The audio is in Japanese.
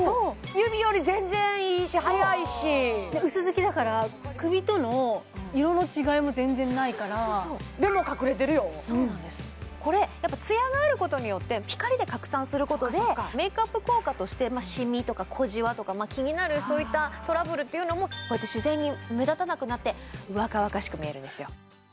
指より全然いいし早いし薄づきだから首との色の違いも全然ないからでも隠れてるよそうなんですこれやっぱりツヤがあることによって光で拡散することでメイクアップ効果としてシミとか小じわとか気になるそういったトラブルというのもこうやって自然に目立たなくなって若々しく見えるんですよ